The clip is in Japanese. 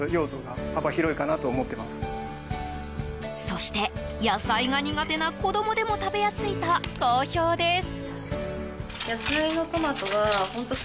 そして、野菜が苦手な子供でも食べやすいと好評です。